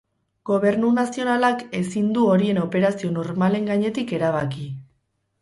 Gobernu nazionalak ezin du horien operazio normalen gainetik erabaki.